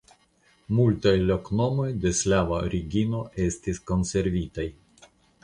Multaj loknomoj de slava origino estis konservitaj.